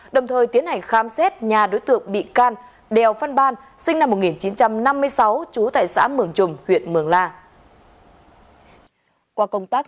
đồng thời tiến hành khám xét nhà đối tượng bị can đèo văn ban sinh năm một nghìn chín trăm năm mươi sáu trú tại xã mường trùng huyện mường la